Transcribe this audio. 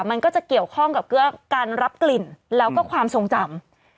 มันก็จะเกี่ยวข้องกับการรับกลิ่นแล้วก็ความทรงจำ